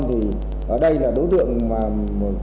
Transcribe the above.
thì ở đây là đối tượng